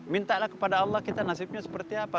mintalah kepada allah kita nasibnya seperti apa